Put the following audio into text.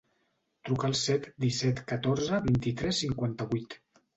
Truca al set, disset, catorze, vint-i-tres, cinquanta-vuit.